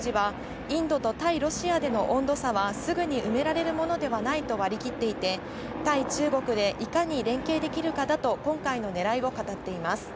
ある日米関係筋はインドと対ロシアでの温度差はすぐに埋められるものではないと割り切っていて、対中国でいかに連携できるかだと今回のねらいを語っています。